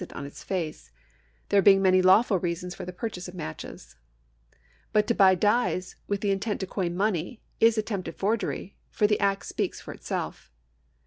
§ 137J INTENTION AND NEGLIGENCE 345 on its face, there being many lawful reasons for the purchase of matches. But to buy dies with intent to coin money is attempted forgery, for the act speaks for itself.